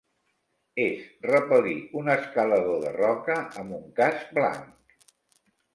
Es repel·lir un escalador de roca amb un casc blanc.